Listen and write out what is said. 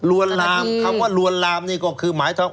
วนลามคำว่าลวนลามนี่ก็คือหมายถึง